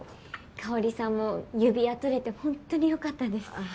香さんも指輪取れてホントに良かったです。